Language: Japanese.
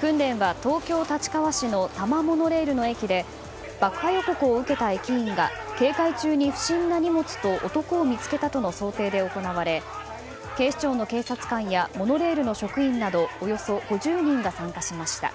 訓練は、東京・立川市の多摩モノレールの駅で爆破予告を受けた駅員が警戒中に不審な荷物と男を見つけたとの想定で行われ警視庁の警察官やモノレールの職員などおよそ５０人が参加しました。